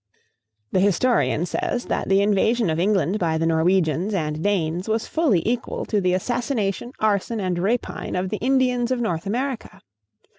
The historian says that the invasion of England by the Norwegians and Danes was fully equal to the assassination, arson, and rapine of the Indians of North America.